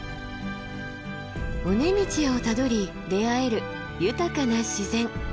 尾根道をたどり出会える豊かな自然。